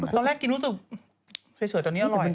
ตอนแรกกินรู้สึกเฉยตอนนี้อร่อย